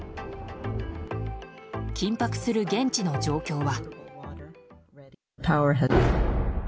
緊迫する現地の状況は。